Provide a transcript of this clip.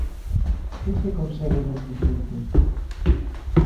¿Que se consegue deste xeito?